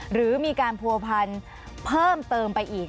หรือมีการผัวพันธุ์เพิ่มเติมไปอีก